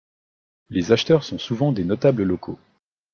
Les acheteurs sont souvent des notables locaux.